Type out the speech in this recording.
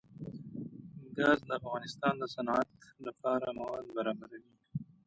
ګاز د افغانستان د صنعت لپاره مواد برابروي.